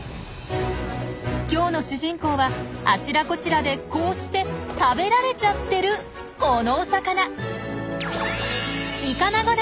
今日の主人公はあちらこちらでこうして「食べられちゃってる」このお魚。